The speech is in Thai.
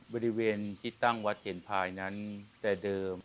บริเวณที่ตั้งวัดเห็นพายนั้นแต่เดิม